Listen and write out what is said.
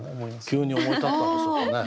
急に思い立ったんでしょうかね。